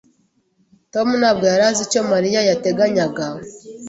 Tom ntabwo yari azi icyo Mariya yateganyaga.